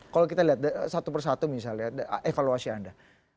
kalau kita lihat satu persatu misalnya evaluasi anda